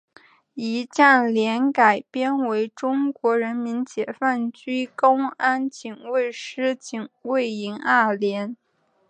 仪仗连改编为中国人民解放军公安警卫师警卫营二连。